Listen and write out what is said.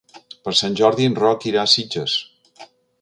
Per Sant Jordi en Roc irà a Sitges.